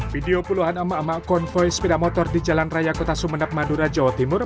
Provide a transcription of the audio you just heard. video puluhan emak emak konvoy sepeda motor di jalan raya kota sumeneb madura jawa timur